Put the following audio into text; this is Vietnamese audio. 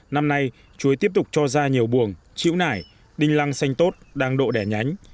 năm nay chuối tiếp tục cho ra nhiều buồn chịu nải đinh lăng xanh tốt đang độ đẻ nhánh